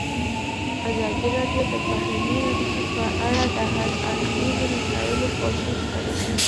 ازادي راډیو د بهرنۍ اړیکې په اړه د هر اړخیزو مسایلو پوښښ کړی.